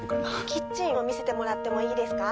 キッチンを見せてもらってもいいですか？